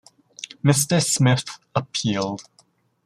Mr Smith appealed.